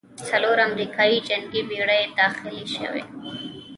څلور امریکايي جنګي بېړۍ داخلې شوې.